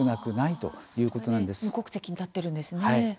それで無国籍になっているんですね。